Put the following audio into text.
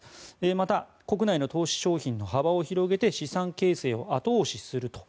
また国内の投資商品の幅を広げて資産形成を後押しすると。